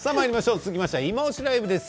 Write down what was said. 続きましては「いまオシ！ＬＩＶＥ」です。